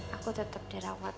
aku tetep dirawat